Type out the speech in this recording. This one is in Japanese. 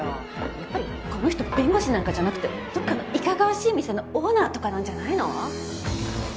やっぱりこの人弁護士なんかじゃなくてどっかのいかがわしい店のオーナーとかなんじゃないの！？